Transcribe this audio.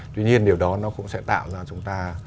tuy nhiên điều đó nó cũng sẽ tạo ra chúng ta